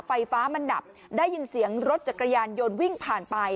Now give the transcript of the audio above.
ไฟฟ้ามันดับได้ยินเสียงรถจักรยานยนต์วิ่งผ่านไป